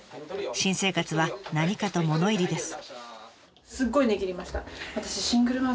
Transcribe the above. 新生活は何かと物入りです。